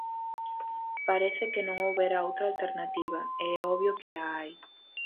Parece que non houbera outra alternativa, e é obvio que a hai.